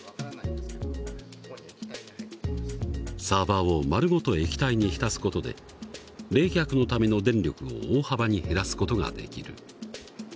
サーバーを丸ごと液体に浸す事で冷却のための電力を大幅に減らす事ができる。